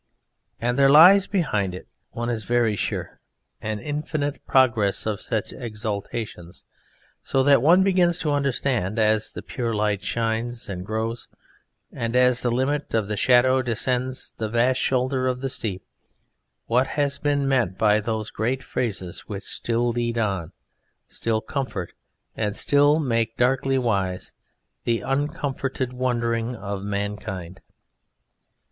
And there lies behind it, one is very sure, an infinite progress of such exaltations, so that one begins to understand, as the pure light shines and grows and as the limit of shadow descends the vast shoulder of the steep, what has been meant by those great phrases which still lead on, still comfort, and still make darkly wise, the uncomforted wondering of mankind.